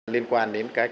liên quan đến các